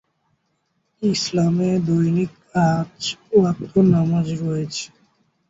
ইসলামে দৈনিক পাঁচ ওয়াক্ত নামাজ রয়েছে।